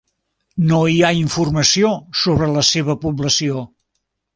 No hi ha informació sobre la seva població.